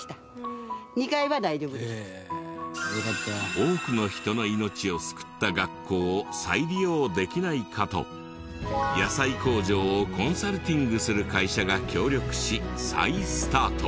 多くの人の命を救った学校を再利用できないかと野菜工場をコンサルティングする会社が協力し再スタート。